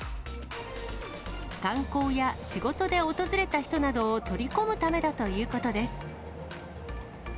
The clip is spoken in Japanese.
観光や仕事で訪れた人などを取り込むためだということです。